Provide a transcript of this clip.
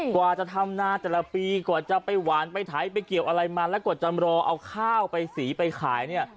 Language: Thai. กว่าจะทำนาแต่ละปีกว่าจะไปหวานไปไถไปเกี่ยวอะไรมาแล้วกว่าจะรอเอาข้าวไปสีไปขายเนี่ย